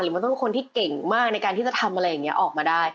มันต้องเป็นคนที่เก่งมากในการที่จะทำอะไรอย่างนี้ออกมาได้